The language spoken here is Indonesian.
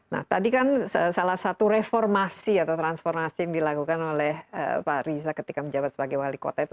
nah tadi kan salah satu reformasi atau transformasi yang dilakukan oleh pak riza ketika menjabat sebagai wali kota itu